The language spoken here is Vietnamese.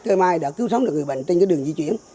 cơ mai đã cứu sống được người bệnh trên cái đường di chuyển